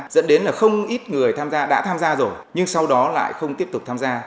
dẫn đến là không ít người tham gia đã tham gia rồi nhưng sau đó lại không tiếp tục tham gia